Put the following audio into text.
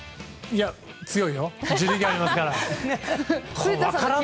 いや、強いよ。